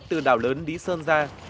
từ đảo lớn lý sơn ra